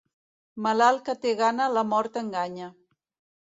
Malalt que té gana la mort enganya.